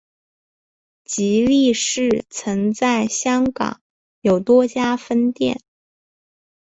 吉利市曾在香港有多家分店。